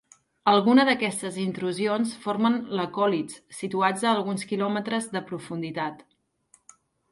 Alguna d'aquestes intrusions formen lacòlits, situats a alguns kilòmetres de profunditat.